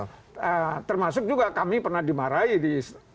nah termasuk juga kami pernah dimarahi di